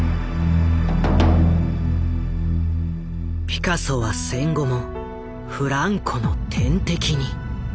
ピカソは戦後もフランコの天敵に。